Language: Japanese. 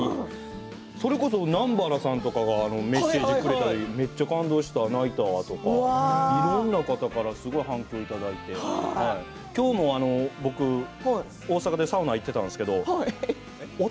それこそ南原さんとかはメッセージをくれたりとかめっちゃ感動した、泣いたわとかいろんな方からいろんな反響をいただいて今日も僕、大阪でサウナ行っていたんですけどおっ